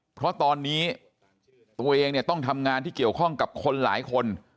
เพราะตอนนี้ตัวเองเนี่ยต้องทำงานที่เกี่ยวข้องกับคนหลายคน